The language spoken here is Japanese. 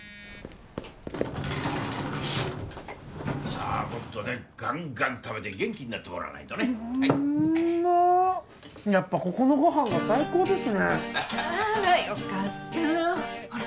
さあもっとねガンガン食べて元気になってもらわないとねはいうまやっぱここのご飯が最高ですねあらよかったほら